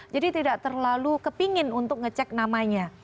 jadi tidak terlalu kepingin untuk ngecek namanya